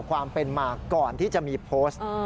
ความเป็นมาก่อนที่จะมีโพสต์